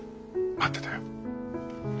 待ってたよ。